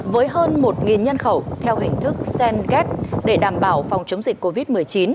với hơn một nhân khẩu theo hình thức senget để đảm bảo phòng chống dịch covid một mươi chín